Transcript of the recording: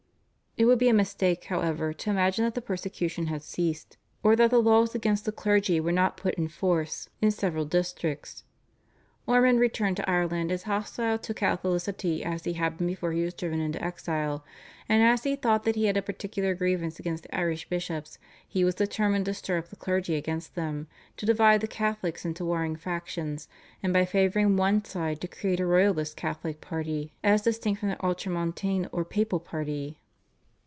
It would be a mistake, however, to imagine that the persecution had ceased, or that the laws against the clergy were not put in force in several districts. Ormond returned to Ireland as hostile to Catholicity as he had been before he was driven into exile; and as he thought that he had a particular grievance against the Irish bishops he was determined to stir up the clergy against them, to divide the Catholics into warring factions, and by favouring one side to create a royalist Catholic party as distinct from the ultramontane or papal party.